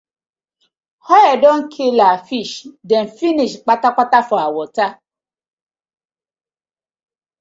Oil don kii our fish dem finish kpatakpata for our wata.